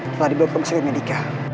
telah dibawa ke pengusaha medika